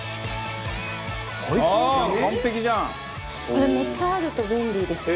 これめっちゃあると便利ですよ。